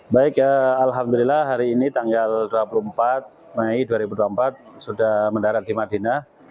baik alhamdulillah hari ini tanggal dua puluh empat mei dua ribu dua puluh empat sudah mendarat di madinah